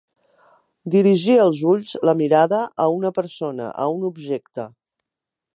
Dirigir els ulls, la mirada, a una persona, a un objecte.